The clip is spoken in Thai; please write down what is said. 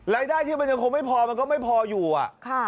รายได้ที่มันยังคงไม่พอมันก็ไม่พออยู่อ่ะค่ะ